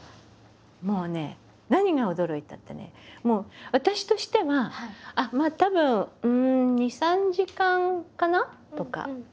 もうね何が驚いたってね私としてはあっまあたぶん２３時間かなとか。